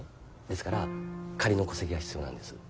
ですから仮の戸籍が必要なんです。